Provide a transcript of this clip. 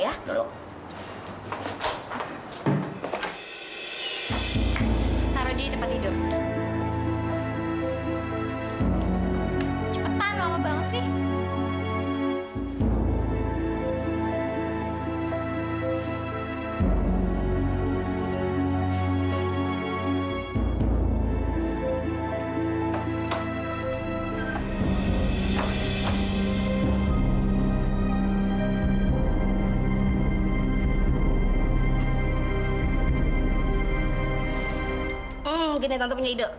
hmm gini tante penyidik